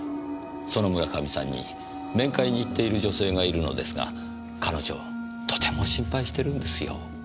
その村上さんに面会に行っている女性がいるのですが彼女とても心配してるんですよ。